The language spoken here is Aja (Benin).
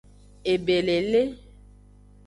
Ebelele.